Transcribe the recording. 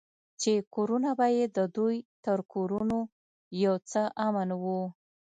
چې کورونه به يې د دوى تر کورونو يو څه امن وو.